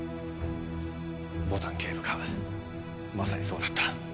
牡丹警部がまさにそうだった。